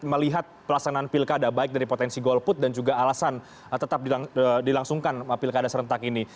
melihat pelaksanaan pilkada baik dari potensi golput dan juga alasan tetap dilangsungkan pilkada serentak ini